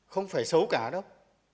không phải xấu cả đâu